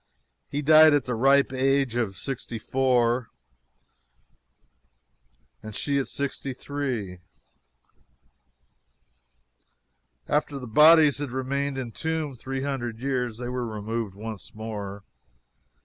He died at the ripe age of 64, and she at 63. After the bodies had remained entombed three hundred years, they were removed once more.